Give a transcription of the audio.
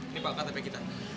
ini pak ktp kita